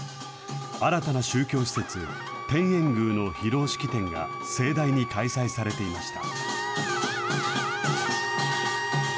新たな宗教施設、天苑宮の披露式典が盛大に開催されていました。